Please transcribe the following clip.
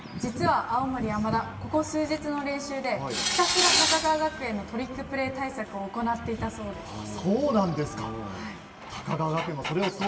青森山田、ここ数日の練習でひたすら高川学園のトリックプレー対策を行っていたそうです。